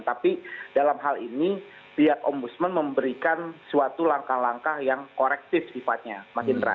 tapi dalam hal ini pihak ombudsman memberikan suatu langkah langkah yang korektif sifatnya mas indra